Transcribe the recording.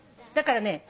だからね